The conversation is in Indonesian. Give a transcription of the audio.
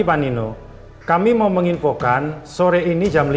aku berangkat ya